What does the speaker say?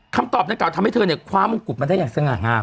คำตอบนั้นก็ทำให้เธอเนี่ยความมุมกุฎมันได้อย่างสง่างห้าม